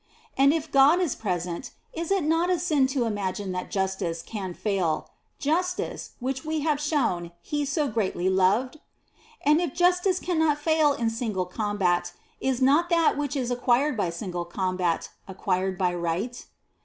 * And if God is present, is it not a sin to imagine that Justice* can fail — Justice, which we have shown He so greatly loved ? And if Justice cannot fail in single com bat, is not that which is acquired by single combat acquired by Right